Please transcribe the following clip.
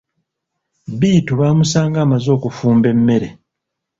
Bittu baamusanga amaze okufumba emmere.